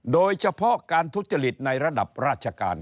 โดยเฉพาะการทุจริตในระดับราชการ